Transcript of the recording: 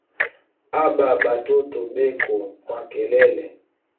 Aba ba toto beko makelele